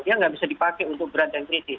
dia nggak bisa dipakai untuk berat dan kritis